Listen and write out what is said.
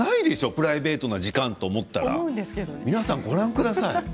プライベートの時間と思ったら皆さんご覧ください